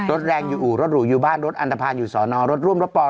รถแรงอยู่อู่รถหรูอยู่บ้านรถอันตภัณฑ์อยู่สอนอรถร่วมรถปอ